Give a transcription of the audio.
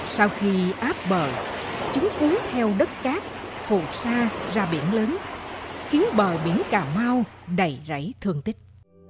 sau khi áp bờ chúng cuốn theo đất cát hụt xa ra biển lớn khiến bờ biển cà mau đầy rẫy thương tích